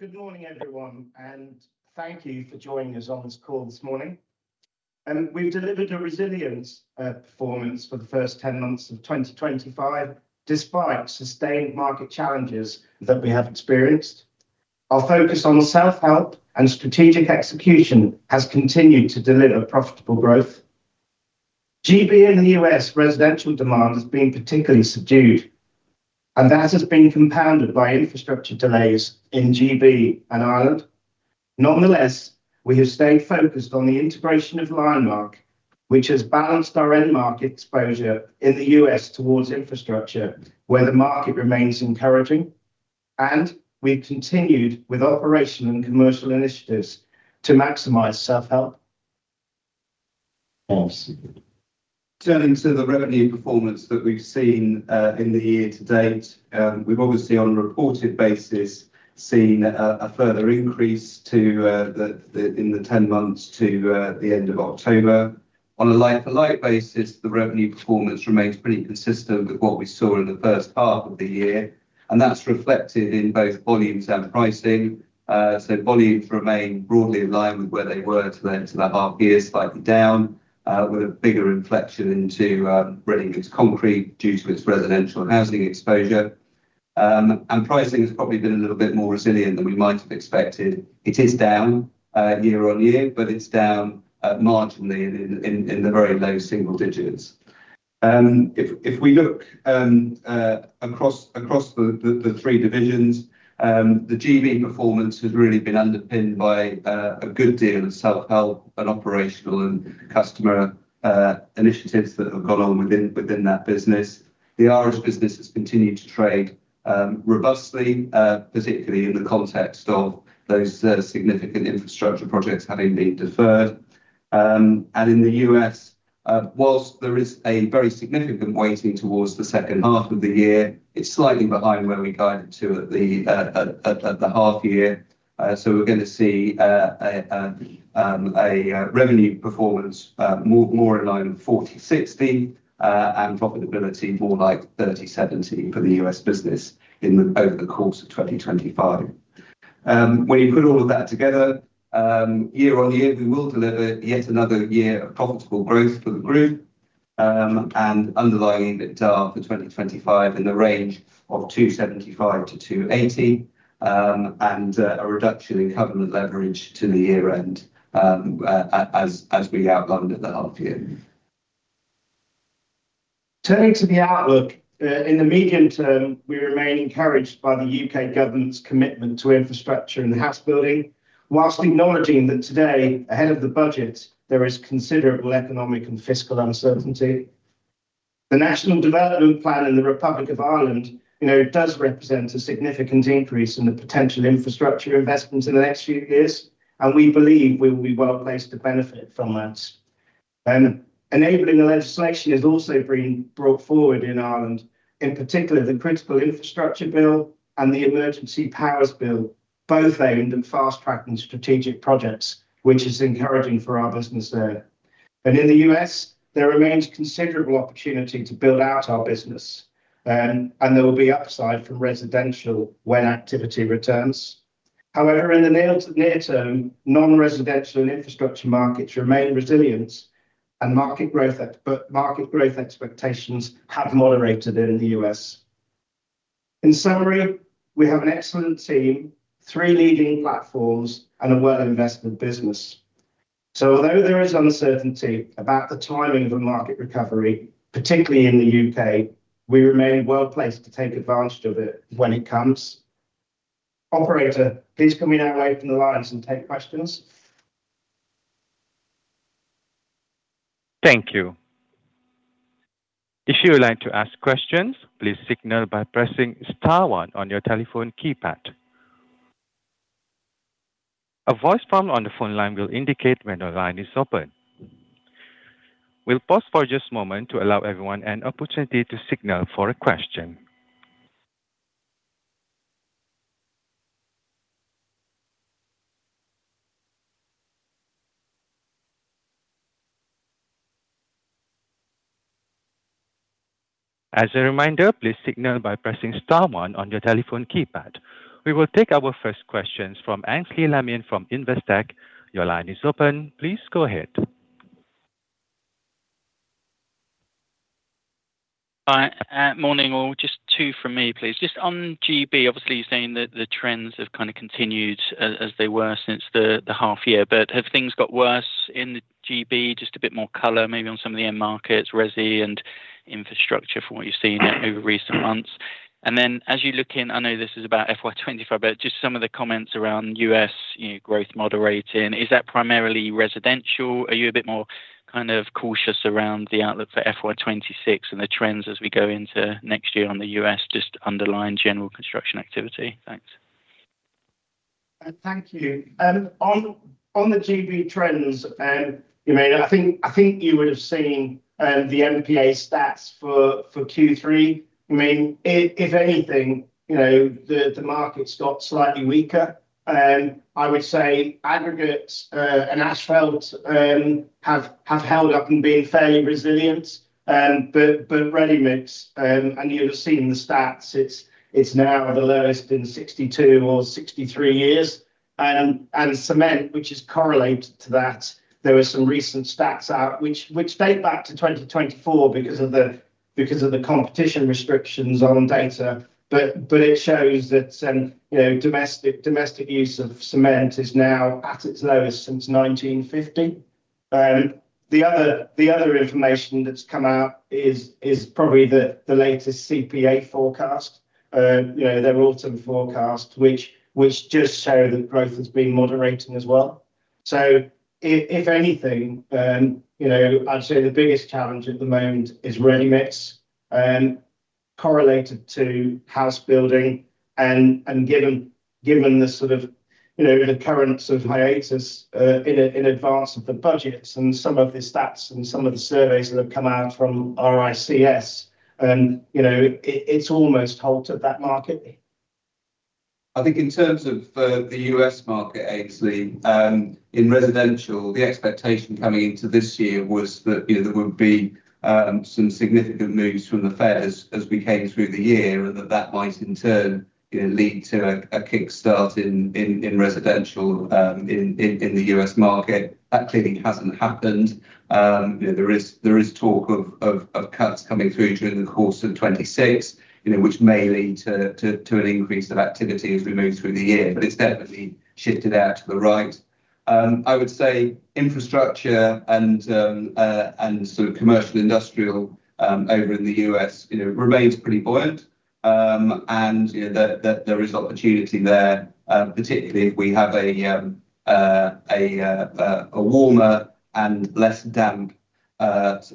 Good morning, everyone, and thank you for joining us on this call this morning. We've delivered a resilient performance for the first 10 months of 2025, despite sustained market challenges that we have experienced. Our focus on self-help and strategic execution has continued to deliver profitable growth. GB and the US residential demand has been particularly subdued, and that has been compounded by infrastructure delays in GB and Ireland. Nonetheless, we have stayed focused on the integration of LIONMARK, which has balanced our end market exposure in the US towards infrastructure, where the market remains encouraging. We have continued with operational and commercial initiatives to maximize self-help. Thanks. Turning to the revenue performance that we've seen in the year to date, we've obviously, on a reported basis, seen a further increase in the 10 months to the end of October. On a like-for-like basis, the revenue performance remains pretty consistent with what we saw in the first half of the year, and that's reflected in both volumes and pricing. Volumes remain broadly in line with where they were to that half year, slightly down, with a bigger inflection into ready-mixed concrete due to its residential housing exposure. Pricing has probably been a little bit more resilient than we might have expected. It is down year on year, but it's down marginally in the very low single digits. If we look across the three divisions, the GB performance has really been underpinned by a good deal of self-help and operational and customer initiatives that have gone on within that business. The Irish business has continued to trade robustly, particularly in the context of those significant infrastructure projects having been deferred. In the US, whilst there is a very significant weighting towards the second half of the year, it's slightly behind where we guided to at the half year. We are going to see a revenue performance more in line with 40/60 and profitability more like 30/70 for the US business over the course of 2025. When you put all of that together, year on year, we will deliver yet another year of profitable growth for the group and underlying EBITDA for 2025 in the range of 275-280 and a reduction in government leverage to the year end as we outlined at the half year. Turning to the outlook, in the medium term, we remain encouraged by the U.K. government's commitment to infrastructure and house building, whilst acknowledging that today, ahead of the budget, there is considerable economic and fiscal uncertainty. The National Development Plan in the Republic of Ireland does represent a significant increase in the potential infrastructure investments in the next few years, and we believe we will be well placed to benefit from that. Enabling legislation has also been brought forward in Ireland, in particular the Critical Infrastructure Bill and the Emergency Powers Bill, both aimed at fast-tracking strategic projects, which is encouraging for our business there. In the U.S., there remains considerable opportunity to build out our business, and there will be upside from residential when activity returns. However, in the near term, non-residential and infrastructure markets remain resilient, and market growth expectations have moderated in the U.S. In summary, we have an excellent team, three leading platforms, and a well-invested business. Although there is uncertainty about the timing of a market recovery, particularly in the U.K., we remain well placed to take advantage of it when it comes. Operator, please come in our way from the lines and take questions. Thank you. If you would like to ask questions, please signal by pressing star one on your telephone keypad. A voice from on the phone line will indicate when the line is open. We'll pause for just a moment to allow everyone an opportunity to signal for a question. As a reminder, please signal by pressing star one on your telephone keypad. We will take our first questions from Ansley Lemmin from Investec. Your line is open. Please go ahead. Morning all. Just two from me, please. Just on GB, obviously you're saying that the trends have kind of continued as they were since the half year, but have things got worse in GB? Just a bit more color, maybe on some of the end markets, resi and infrastructure from what you've seen over recent months. As you look in, I know this is about FY25, but just some of the comments around US growth moderating, is that primarily residential? Are you a bit more kind of cautious around the outlook for FY26 and the trends as we go into next year on the U.S., just underlying general construction activity? Thanks. Thank you. On the GB trends, I think you would have seen the MPA stats for Q3. If anything, the market's got slightly weaker. I would say aggregates and asphalt have held up and been fairly resilient, but ready mix, and you'll have seen the stats, it's now at the lowest in 62 or 63 years. And cement, which is correlated to that, there were some recent stats out which date back to 2024 because of the competition restrictions on data, but it shows that domestic use of cement is now at its lowest since 1950. The other information that's come out is probably the latest CPA forecast, their autumn forecast, which just showed that growth has been moderating as well. If anything, I'd say the biggest challenge at the moment is ready mix correlated to house building. Given the sort of current sort of hiatus in advance of the budgets and some of the stats and some of the surveys that have come out from RICS, it's almost halted that market. I think in terms of the U.S. market, Ansley, in residential, the expectation coming into this year was that there would be some significant moves from the Fed as we came through the year and that that might in turn lead to a kickstart in residential in the U.S. market. That clearly has not happened. There is talk of cuts coming through during the course of 2026, which may lead to an increase of activity as we move through the year, but it has definitely shifted out to the right. I would say infrastructure and sort of commercial industrial over in the U.S. remains pretty buoyant, and there is opportunity there, particularly if we have a warmer and less damp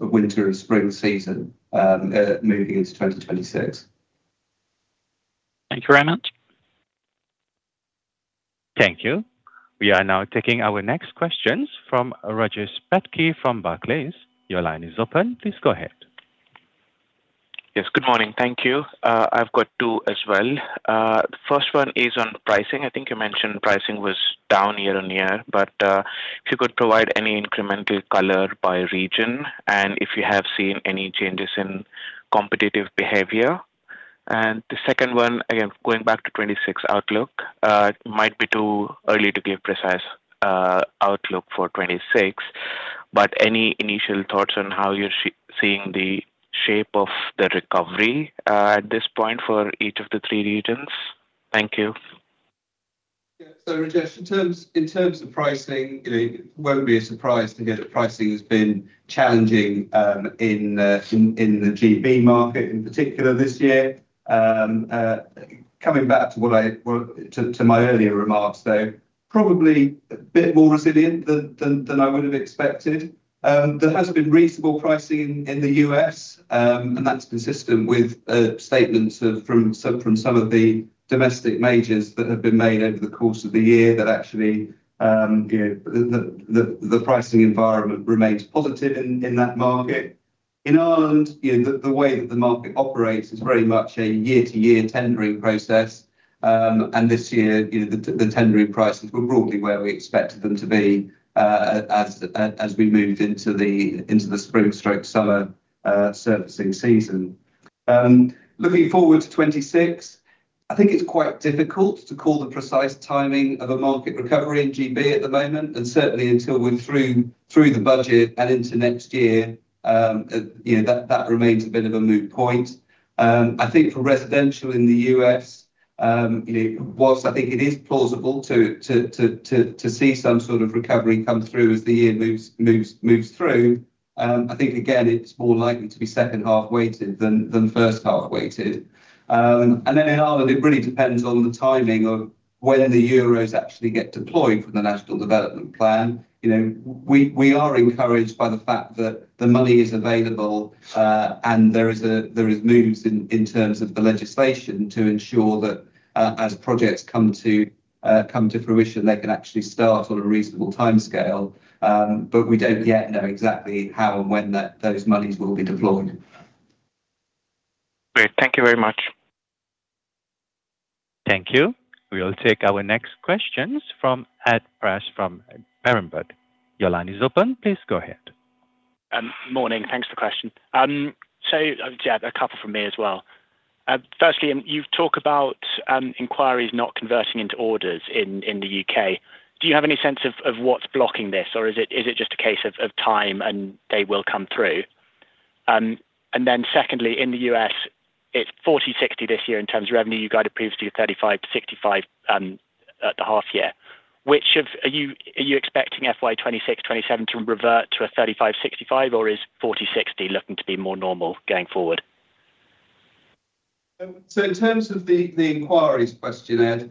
winter and spring season moving into 2026. Thank you very much. Thank you. We are now taking our next questions from Roger Spetke from Barclays. Your line is open. Please go ahead. Yes, good morning. Thank you. I've got two as well. The first one is on pricing. I think you mentioned pricing was down year on year, but if you could provide any incremental color by region and if you have seen any changes in competitive behavior. The second one, again, going back to '26 outlook, it might be too early to give a precise outlook for '26, but any initial thoughts on how you're seeing the shape of the recovery at this point for each of the three regions? Thank you. Roger, in terms of pricing, it won't be a surprise to hear that pricing has been challenging in the GB market in particular this year. Coming back to my earlier remarks, though, probably a bit more resilient than I would have expected. There has been reasonable pricing in the US, and that's consistent with statements from some of the domestic majors that have been made over the course of the year that actually the pricing environment remains positive in that market. In Ireland, the way that the market operates is very much a year-to-year tendering process, and this year, the tendering prices were broadly where we expected them to be as we moved into the spring/late summer surfacing season. Looking forward to 2026, I think it's quite difficult to call the precise timing of a market recovery in GB at the moment, and certainly until we're through the budget and into next year, that remains a bit of a moot point. I think for residential in the U.S., whilst I think it is plausible to see some sort of recovery come through as the year moves through, I think, again, it's more likely to be second half weighted than first half weighted. In Ireland, it really depends on the timing of when the euros actually get deployed from the National Development Plan. We are encouraged by the fact that the money is available and there are moves in terms of the legislation to ensure that as projects come to fruition, they can actually start on a reasonable timescale, but we do not yet know exactly how and when those monies will be deployed. Great. Thank you very much. Thank you. We will take our next questions from At Press from BERENBERG. Your line is open. Please go ahead. Morning. Thanks for the question. Yeah, a couple from me as well. Firstly, you've talked about inquiries not converting into orders in the U.K. Do you have any sense of what's blocking this, or is it just a case of time and they will come through? Secondly, in the U.S., it's 40/60 this year in terms of revenue. You guided previously 35/65 at the half year. Are you expecting FY2026/2027 to revert to a 35/65, or is 40/60 looking to be more normal going forward? In terms of the inquiries questionnaire,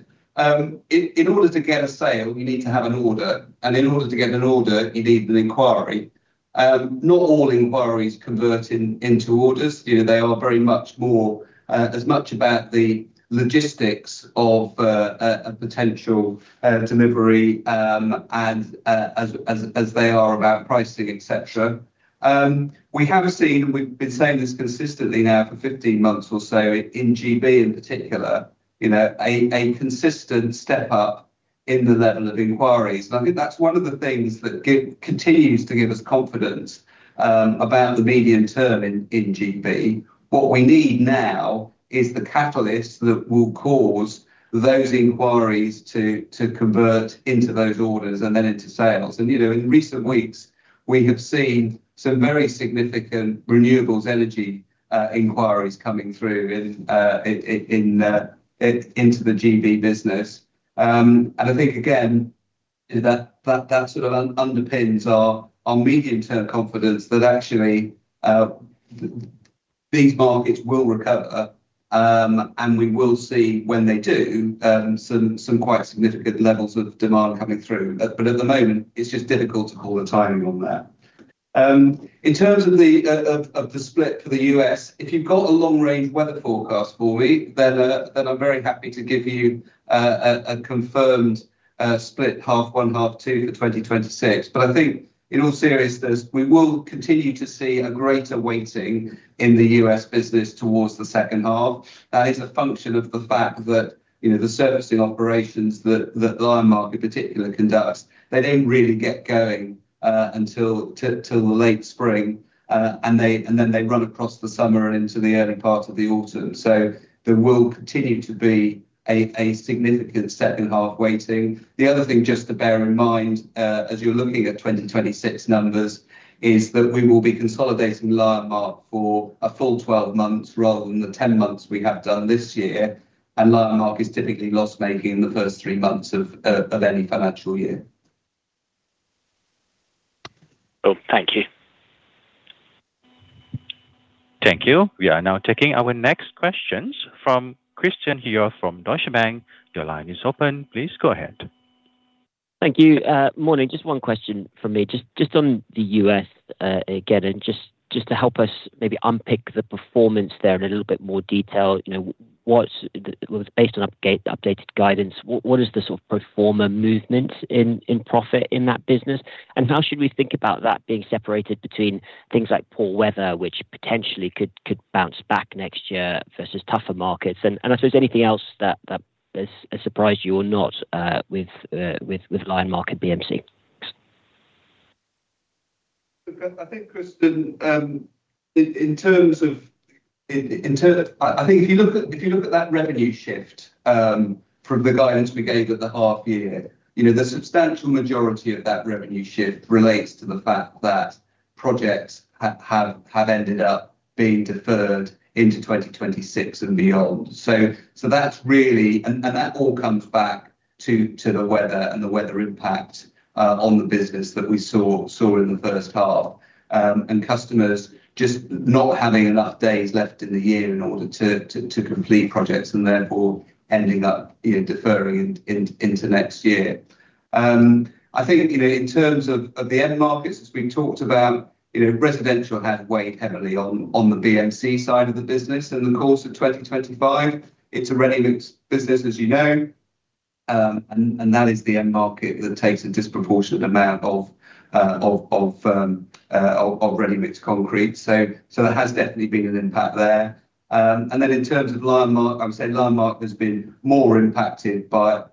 in order to get a sale, you need to have an order, and in order to get an order, you need an inquiry. Not all inquiries convert into orders. They are very much as much about the logistics of a potential delivery as they are about pricing, etc. We have seen, and we've been saying this consistently now for 15 months or so in GB in particular, a consistent step up in the level of inquiries. I think that's one of the things that continues to give us confidence about the medium term in GB. What we need now is the catalyst that will cause those inquiries to convert into those orders and then into sales. In recent weeks, we have seen some very significant renewables energy inquiries coming through into the GB business. I think, again, that sort of underpins our medium-term confidence that actually these markets will recover, and we will see when they do, some quite significant levels of demand coming through. At the moment, it's just difficult to call the timing on that. In terms of the split for the U.S., if you've got a long-range weather forecast for me, then I'm very happy to give you a confirmed split half one, half two for 2026. I think in all seriousness, we will continue to see a greater weighting in the US business towards the second half. That is a function of the fact that the servicing operations that the iron market particularly conducts, they do not really get going until the late spring, and then they run across the summer and into the early part of the autumn. There will continue to be a significant second half weighting. The other thing just to bear in mind as you're looking at 2026 numbers is that we will be consolidating LIONMARK for a full 12 months rather than the 10 months we have done this year, and LIONMARK is typically loss-making in the first three months of any financial year. Oh, thank you. Thank you. We are now taking our next questions from Christian here from Deutsche Bank. Your line is open. Please go ahead. Thank you. Morning. Just one question from me. Just on the U.S. again, and just to help us maybe unpick the performance there in a little bit more detail, based on updated guidance, what is the sort of pro forma movement in profit in that business? How should we think about that being separated between things like poor weather, which potentially could bounce back next year versus tougher markets? I suppose anything else that has surprised you or not with LIONMARK or BMC? I think, Christian, in terms of I think if you look at that revenue shift from the guidance we gave at the half year, the substantial majority of that revenue shift relates to the fact that projects have ended up being deferred into 2026 and beyond. That is really, and that all comes back to the weather and the weather impact on the business that we saw in the first half, and customers just not having enough days left in the year in order to complete projects and therefore ending up deferring into next year. I think in terms of the end markets, as we have talked about, residential has weighed heavily on the BMC side of the business. In the course of 2025, it is a ready-mixed business, as you know, and that is the end market that takes a disproportionate amount of ready-mixed concrete. There has definitely been an impact there. In terms of LIONMARK, I would say LIONMARK has been more impacted by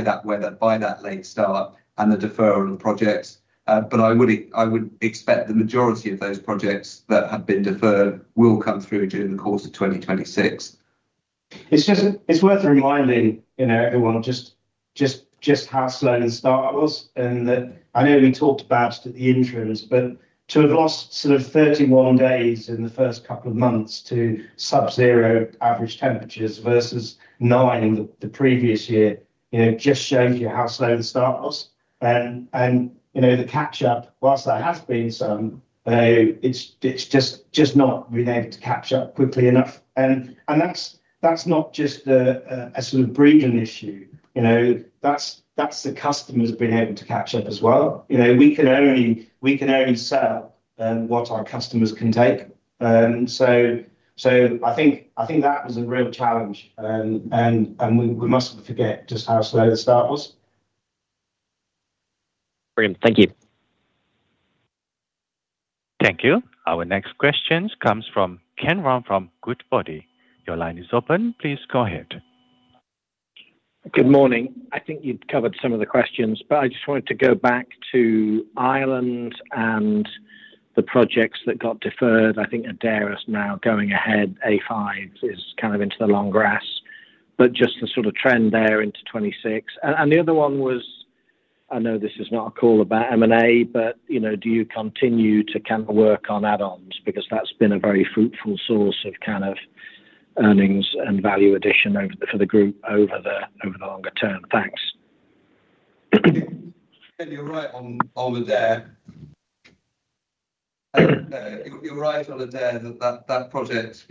that weather, by that late start, and the deferral of projects. I would expect the majority of those projects that have been deferred will come through during the course of 2026. It's worth reminding everyone just how slow the start was. I know we talked about it at the intros, but to have lost 31 days in the first couple of months to sub-zero average temperatures versus nine the previous year just shows you how slow the start was. The catch-up, whilst there has been some, has just not been able to catch up quickly enough. That is not just a Breedon issue. That is the customers being able to catch up as well. We can only sell what our customers can take. I think that was a real challenge, and we must not forget just how slow the start was. Brilliant. Thank you. Thank you. Our next question comes from Ken Ramm from Goodbody. Your line is open. Please go ahead. Good morning. I think you've covered some of the questions, but I just wanted to go back to Ireland and the projects that got deferred. I think Adair is now going ahead. A5 is kind of into the long grass, just the sort of trend there into 2026. The other one was, I know this is not a call about M&A, but do you continue to kind of work on add-ons? Because that's been a very fruitful source of kind of earnings and value addition for the group over the longer term. Thanks. You're right on with that. That project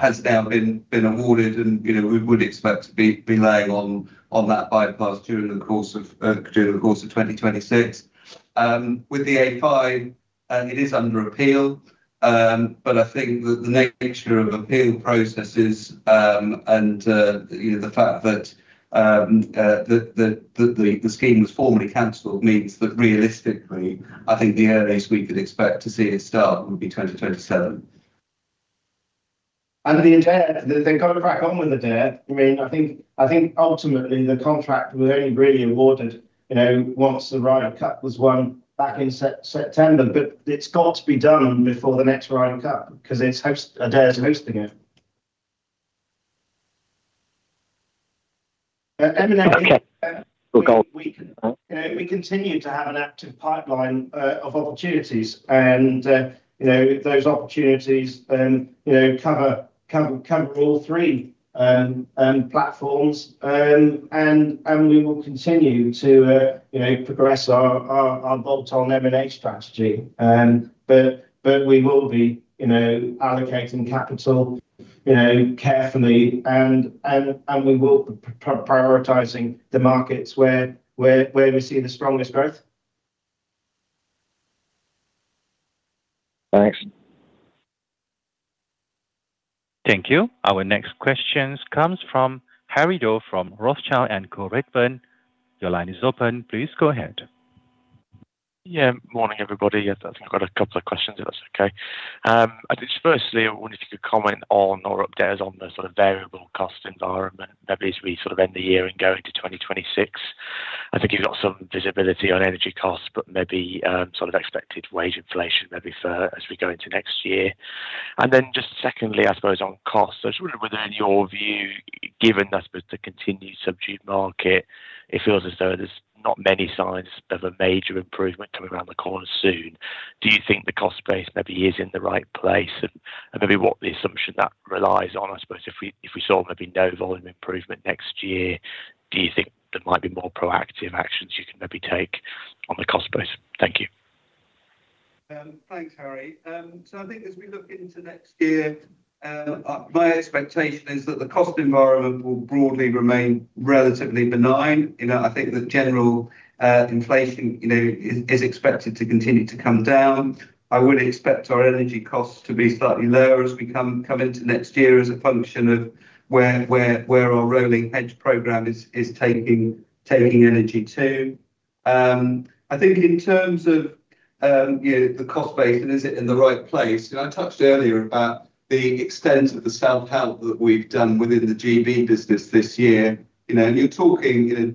has now been awarded, and we would expect to be laying on that bypass during the course of 2026. With the A5, it is under appeal, but I think the nature of appeal processes and the fact that the scheme was formally cancelled means that realistically, I think the earliest we could expect to see it start would be 2027. The contract. I mean, I think ultimately the contract was only really awarded once the Rhino Cup was won back in September, but it's got to be done before the next Rhino Cup because Adair is hosting it. Okay. We'll go. We continue to have an active pipeline of opportunities, and those opportunities cover all three platforms, and we will continue to progress our bolt-on M&A strategy. We will be allocating capital carefully, and we will be prioritizing the markets where we see the strongest growth. Thanks. Thank you. Our next question comes from Harry Doe from Rothschild & Co. Your line is open. Please go ahead. Yeah. Morning, everybody. I think I've got a couple of questions, if that's okay. I think firstly, I wonder if you could comment on or update us on the sort of variable cost environment, maybe as we sort of end the year and go into 2026. I think you've got some visibility on energy costs, but maybe sort of expected wage inflation maybe as we go into next year. Just secondly, I suppose on costs, within your view, given that with the continued subdued market, it feels as though there's not many signs of a major improvement coming around the corner soon. Do you think the cost base maybe is in the right place? What the assumption that relies on, I suppose, if we saw maybe no volume improvement next year, do you think there might be more proactive actions you can maybe take on the cost base? Thank you. Thanks, Harry. I think as we look into next year, my expectation is that the cost environment will broadly remain relatively benign. I think that general inflation is expected to continue to come down. I would expect our energy costs to be slightly lower as we come into next year as a function of where our rolling hedge program is taking energy to. I think in terms of the cost base, is it in the right place? I touched earlier about the extent of the self-help that we've done within the GB business this year. You're talking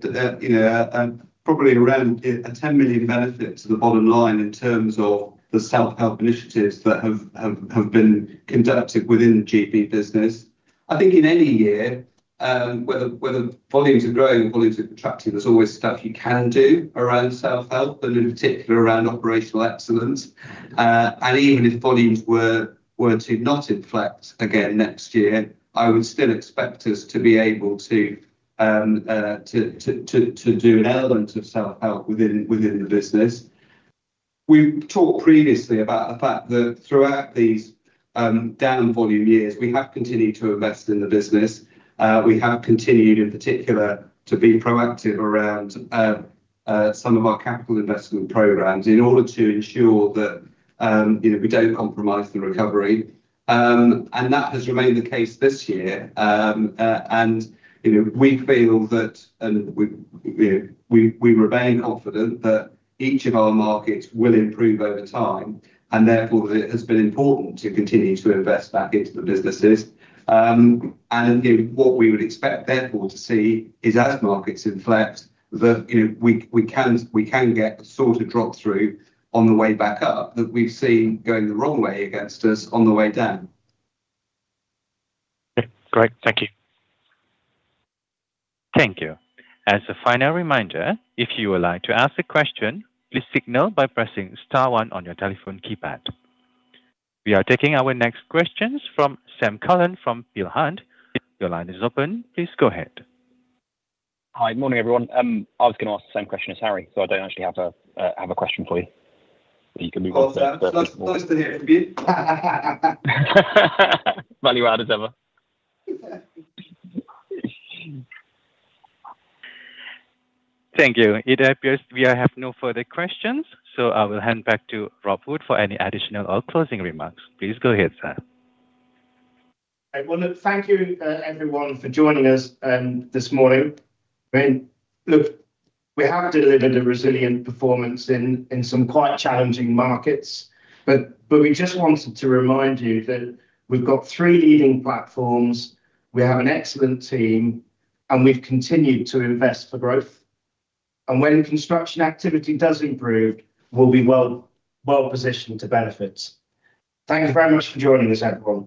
probably around a $10 million benefit to the bottom line in terms of the self-help initiatives that have been conducted within the GB business. I think in any year, whether volumes are growing or volumes are contracting, there's always stuff you can do around self-help and in particular around operational excellence. Even if volumes were to not inflect again next year, I would still expect us to be able to do an element of self-help within the business. We've talked previously about the fact that throughout these down volume years, we have continued to invest in the business. We have continued, in particular, to be proactive around some of our capital investment programs in order to ensure that we don't compromise the recovery. That has remained the case this year. We feel that we remain confident that each of our markets will improve over time, and therefore it has been important to continue to invest back into the businesses. What we would expect, therefore, to see is as markets inflect, that we can get a sort of drop through on the way back up that we've seen going the wrong way against us on the way down. Okay. Great. Thank you. Thank you. As a final reminder, if you would like to ask a question, please signal by pressing star one on your telephone keypad. We are taking our next questions from Sam Cullen from Peel Hunt. Your line is open. Please go ahead. Hi. Good morning, everyone. I was going to ask the same question as Harry, so I don't actually have a question for you. You can move on to the next question. Nice to hear from you. Value add as ever. Thank you. Either of you, we have no further questions, so I will hand back to Rob Wood for any additional or closing remarks. Please go ahead, Sir. Thank you, everyone, for joining us this morning. Look, we have delivered a resilient performance in some quite challenging markets, but we just wanted to remind you that we've got three leading platforms, we have an excellent team, and we've continued to invest for growth. When construction activity does improve, we'll be well positioned to benefits. Thank you very much for joining us, everyone.